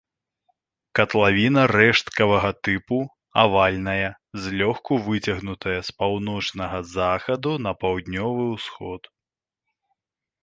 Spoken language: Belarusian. Катлавіна рэшткавага тыпу, авальная, злёгку выцягнутая з паўночнага захаду на паўднёвы ўсход.